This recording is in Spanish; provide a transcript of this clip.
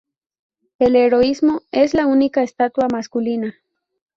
El Heroísmo: Es la única estatua masculina.